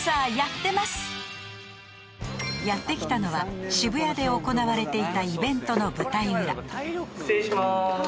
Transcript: ［やって来たのは渋谷で行われていたイベントの舞台裏］